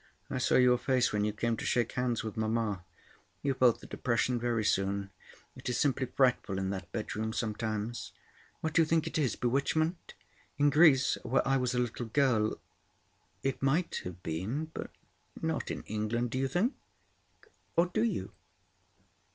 I saw your face when you came to shake hands with mamma. You felt the depression very soon. It is simply frightful in that bedroom sometimes. What do you think it is—bewitchment? In Greece, where I was a little girl, it might have been; but not in England, do you think? Or do you?"